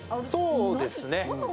そうですね。